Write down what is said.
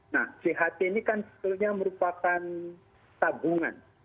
nah cht ini kan sebetulnya merupakan tabungan